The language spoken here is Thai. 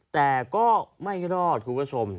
แต่ก็ไม่รอดคุณผู้ชม